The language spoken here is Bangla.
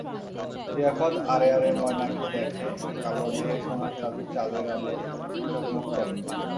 লিয়াকত আড়ে-আড়ে ময়নাকে দ্যাখে, কালো দেহে সোনার তাবিজ চাঁদের আলোয় ঝকমক করে।